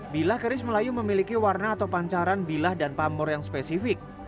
bila keris melayu memiliki warna atau pancaran bilah dan pamor yang spesifik